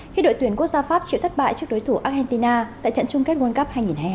khi đội tuyển quốc gia pháp chịu thất bại trước đối thủ argentina tại trận chung kết world cup hai nghìn hai mươi hai